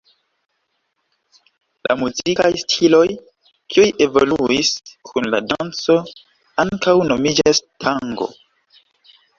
La muzikaj stiloj, kiuj evoluis kun la danco, ankaŭ nomiĝas tango.